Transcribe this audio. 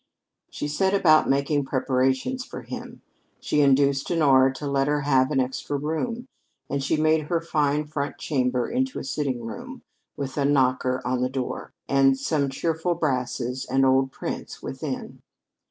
She set about making preparations for him. She induced Honora to let her have an extra room, and she made her fine front chamber into a sitting room, with a knocker on the door, and some cheerful brasses and old prints within.